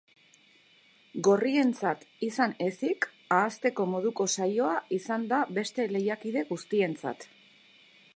Gorrientzat izan ezik, ahazteko moduko saioa izan da beste lehiakide guztientzat.